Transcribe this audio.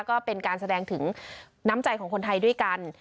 ก็เป็นการแสดงถึงน้ำใจของคนไทยด้วยกัน